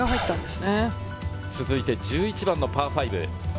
続いて１１番のパー５。